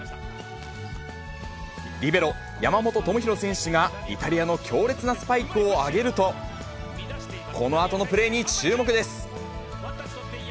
リベロ、山本智大選手がイタリアの強烈なスパイクを上げると、このあとのプレーに注目です。